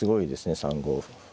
３五歩。